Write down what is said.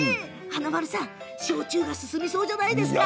華丸さん、焼酎が進みそうじゃないですか？